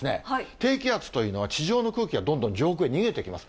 低気圧というのは、地上の空気がどんどん上空へ逃げていきます。